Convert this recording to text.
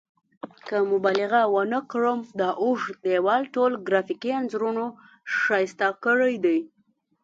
که مبالغه ونه کړم دا اوږد دیوال ټول ګرافیکي انځورونو ښایسته کړی دی.